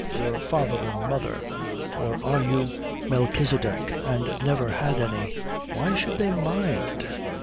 Your father and mother. Or are you Melchisedec and never had any?" "Why should they mind?"